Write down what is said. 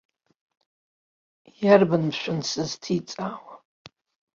Иарбан, мшәан, сызҭиҵаауа.